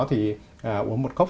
thì uống một cốc